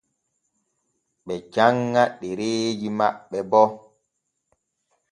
Ɓe janŋa ɗereeji maɓɓe bo.